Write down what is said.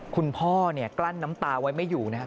คุณพ่อเนี่ยกลั้นน้ำตาไว้ไม่อยู่นะครับ